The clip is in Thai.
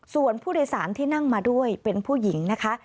ส่วนผู้โดยสารที่นั่งมาด้วยเป็นผู้หญิงนะคะ